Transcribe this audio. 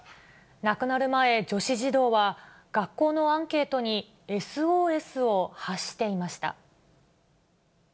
亡くなる前、女子児童は学校のアンケートにＳＯＳを発していました。